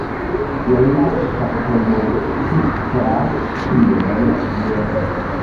La lasta prononciĝas kiel "je".